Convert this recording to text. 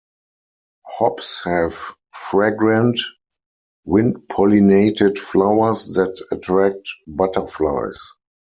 Hops have fragrant, wind-pollinated flowers that attract butterflies.